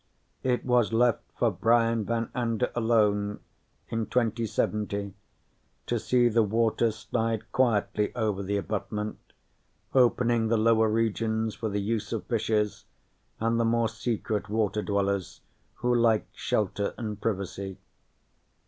It was left for Brian Van Anda alone, in 2079, to see the waters slide quietly over the abutment, opening the lower regions for the use of fishes and the more secret water dwellers who like shelter and privacy.